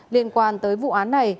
liên quan tới vụ án này